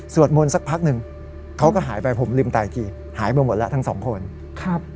มนต์สักพักหนึ่งเขาก็หายไปผมลืมตาอีกทีหายไปหมดแล้วทั้งสองคนครับ